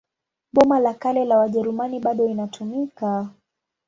Boma la Kale la Wajerumani bado inatumika.